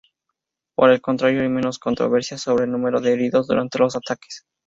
Por el contrario, hay menos controversia sobre el número de heridos durante los ataques.